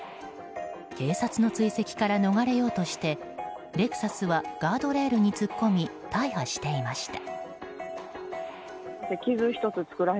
警察の追跡から逃れようとしてレクサスはガードレールに突っ込み大破していました。